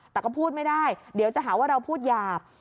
แต่ก็พูดไม่ได้เดี๋ยวจะหาว่าเราพูดหยาบ